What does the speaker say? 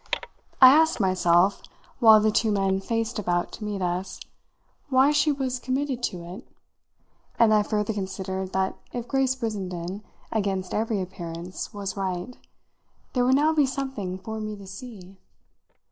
I asked myself, while the two men faced about to meet us, why she was committed to it, and I further considered that if Grace Brissenden, against every appearance, was right, there would now be something for me to see.